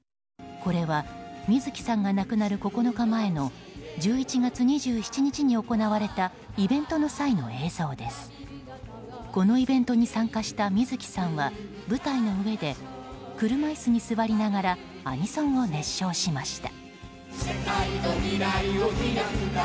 このイベントに参加した水木さんは、舞台の上で車椅子に座りながらアニソンを熱唱しました。